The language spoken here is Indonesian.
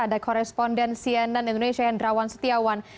dari koresponden cnn indonesia yendrawan setiawan